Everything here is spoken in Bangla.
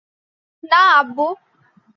না, আব্বু!